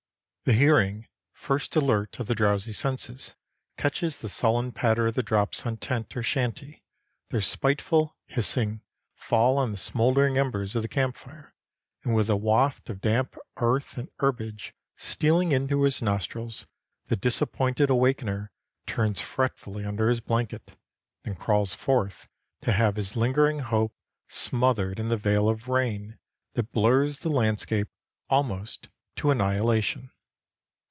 The hearing, first alert of the drowsy senses, catches the sullen patter of the drops on tent or shanty, their spiteful, hissing fall on the smouldering embers of the camp fire, and with a waft of damp earth and herbage stealing into his nostrils, the disappointed awakener turns fretfully under his blanket, then crawls forth to have his lingering hope smothered in the veil of rain that blurs the landscape almost to annihilation.